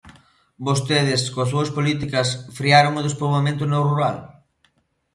Vostedes, coas súas políticas ¿frearon o despoboamento no rural?